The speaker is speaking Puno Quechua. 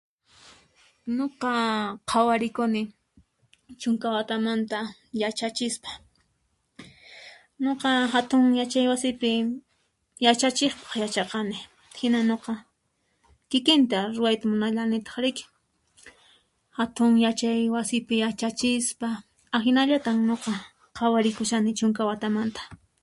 Nuqa qhawarikuni chunka watamanta yachachispa, nuqa hatun yachaywasipi yachachiqpaq yachaqani hina nuqa kikinta ruayta munanillataq riki, hatun yachaywasipi yachachispa, ahinallata nuqa qhawarikushani chunka watamanta.